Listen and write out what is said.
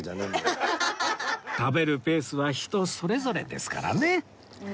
食べるペースは人それぞれですからね